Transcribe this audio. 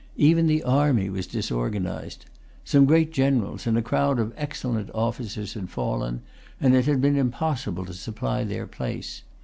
Even the army was disorganized. Some great generals and a crowd of excellent officers had fallen, and it had been impossible to supply their place.